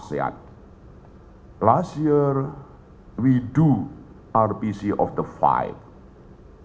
tahun lalu kami melakukan rpc dari lima